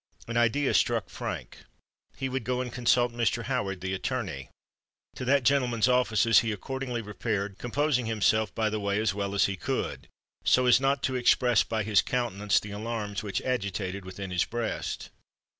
An idea struck Frank:—he would go and consult Mr. Howard, the attorney. To that gentleman's offices he accordingly repaired, composing himself by the way as well as he could, so as not to express by his countenance the alarms which agitated within his breast.